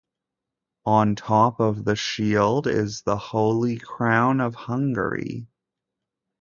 On top of the shield is the Holy Crown of Hungary.